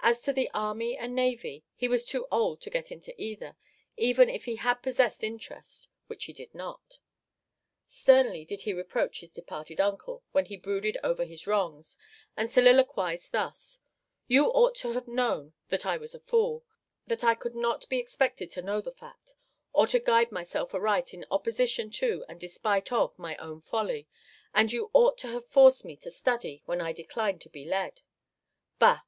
As to the army and navy, he was too old to get into either, even if he had possessed interest, which he did not. Sternly did he reproach his departed uncle when he brooded over his wrongs, and soliloquised thus: "You ought to have known that I was a fool, that I could not be expected to know the fact, or to guide myself aright in opposition to and despite of my own folly, and you ought to have forced me to study when I declined to be led bah!